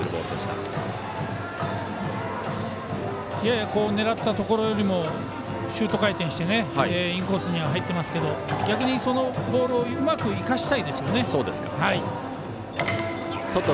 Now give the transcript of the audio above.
やや狙ったところよりもシュート回転してインコースに入ってますけど逆に、そのボールをうまく生かしたいですよね。